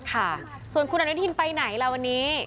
ค่ะส่วนคุณอนุทินไปไหนล่ะวันนี้